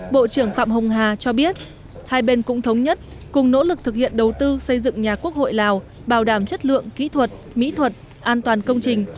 bộ trưởng phạm hồng hà cho biết hai bên cũng thống nhất cùng nỗ lực thực hiện đầu tư xây dựng nhà quốc hội lào bảo đảm chất lượng kỹ thuật mỹ thuật an toàn công trình